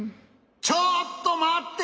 ちょっとまって！